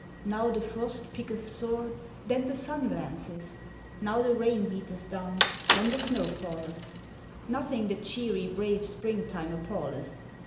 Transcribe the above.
Now the frost pricketh sore, then the sun glances ; Now the rain beateth down, then the snow falleth, Nothing the cheery, brave Springtime appalleth.